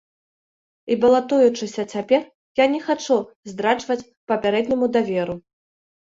І балатуючыся цяпер, я не хачу здраджваць папярэдняму даверу.